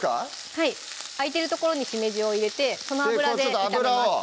はい空いてる所にしめじを入れてその油で炒めます